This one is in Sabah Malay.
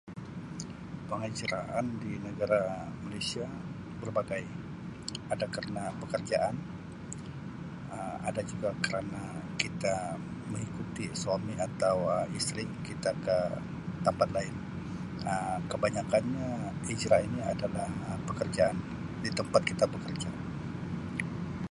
Penghijrahan di negara Malaysia berbagai, ada kerna pekerjaan, Um ada juga kerana kita mengikuti suami atau Um isteri kita ke tampat lain Um kebanyakkannya hijrah ini adalah pekerjaan di tempat kita bekerja.